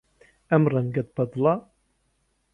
ئەم ڕەنگەت بەدڵە؟